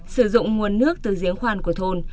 sử dụng nguồn nước từ giếng khoan của thôn